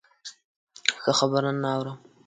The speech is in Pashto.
ښه خبرونه نه اورم.